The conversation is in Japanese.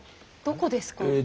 どこですか？